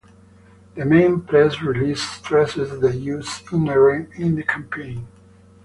The main press release stressed the issues inherent in the campaign.